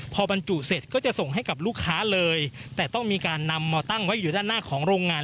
พอบรรจุเสร็จก็จะส่งให้กับลูกค้าเลยแต่ต้องมีการนำมาตั้งไว้อยู่ด้านหน้าของโรงงาน